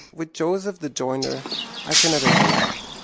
With Joseph the joiner I cannot agree.